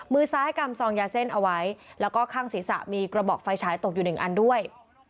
มือซ้ายกำซองยาเส้นเอาไว้แล้วก็ข้างศีรษะมีกระบอกไฟฉายตกอยู่หนึ่งอันด้วย